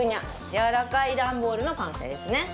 やわらかいダンボールのかんせいですね。